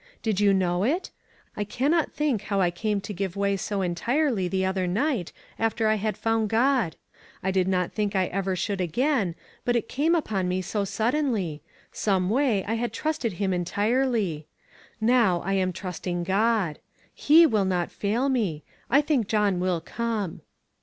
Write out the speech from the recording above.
Did you know it? I cannot think how I came to give way so entirely the other night, after I had found God. I did not think I ever should again, but it came upon me so suddenly; some way, I had trusted him entirely. Now,' I am trusting God. He will not fail me. I think John will come."